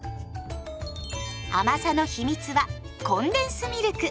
甘さの秘密はコンデンスミルク。